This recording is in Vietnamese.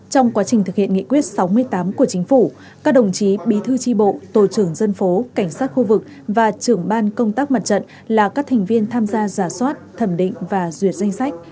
trong quá trình thực hiện nghị quyết sáu mươi tám của chính phủ các đồng chí bí thư tri bộ tổ trưởng dân phố cảnh sát khu vực và trưởng ban công tác mặt trận là các thành viên tham gia giả soát thẩm định và duyệt danh sách